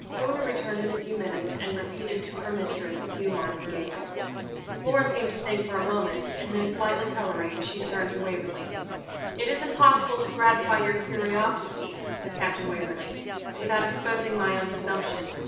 Una returned in a few minutes, and repeated to her mistress a few lines in Gaelic. Flora seemed to think for a moment, and then, slightly colouring, she turned to Waverley 'It is impossible to gratify your curiosity, Captain Waverley, without exposing my own presumption.